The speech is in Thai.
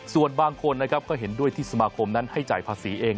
ส่วนบางคนนะครับก็เห็นด้วยที่สมาคมนั้นให้จ่ายภาษีเอง